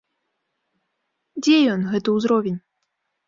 Дзе ён, гэты ўзровень?